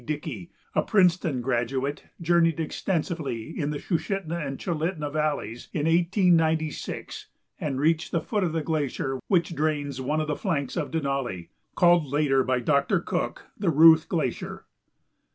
Dickey, a Princeton graduate, journeyed extensively in the Sushitna and Chulitna valleys in 1896 and reached the foot of the glacier which drains one of the flanks of Denali, called later by Doctor Cook the Ruth Glacier.